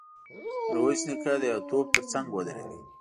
ميرويس نيکه د يوه توپ تر څنګ ودرېد.